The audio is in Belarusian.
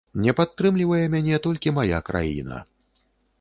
Не падтрымлівае мяне толькі мая краіна.